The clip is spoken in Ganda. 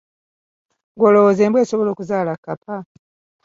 Gwe olowooza embwa esobola okuzaala kapa?